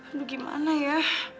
aduh gimana ya